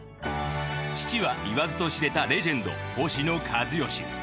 父は言わずと知れたレジェンド星野一義。